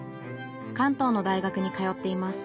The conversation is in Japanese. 関東の大学に通っています。